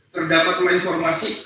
terdapat ulah informasi